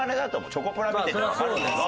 チョコプラ見ててわかるけど。